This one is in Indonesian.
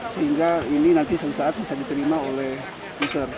sehingga ini nanti suatu saat bisa diterima oleh user